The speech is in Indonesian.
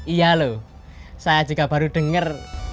iya loh saya juga baru dengar